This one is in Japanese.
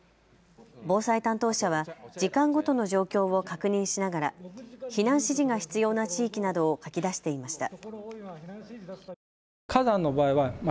防災担当者は時間ごとの状況を確認しながら避難指示が必要な地域などを書き出していました。